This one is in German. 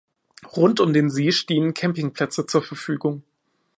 Rund um den See stehen Campingplätze zur Verfügung.